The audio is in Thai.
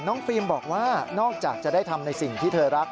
ฟิล์มบอกว่านอกจากจะได้ทำในสิ่งที่เธอรัก